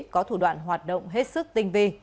có thủ đoạn hoạt động hết sức tinh vi